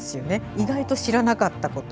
意外と知らなかったこと。